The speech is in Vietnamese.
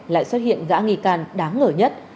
lại xuất hiện gã nghi can đáng ngờ nhất